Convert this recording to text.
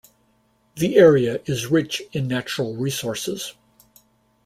The area is rich in natural resources.